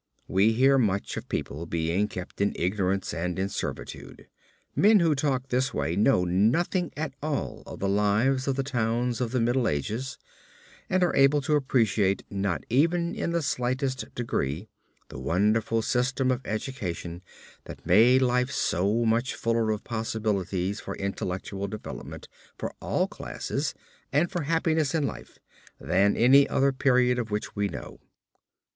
We hear much of people being kept in ignorance and in servitude. Men who talk this way know nothing at all of the lives of the towns of the Middle Ages and are able to appreciate not even in the slightest degree the wonderful system of education, that made life so much fuller of possibilities for intellectual development for all classes and for happiness in life, than any other period of which we know.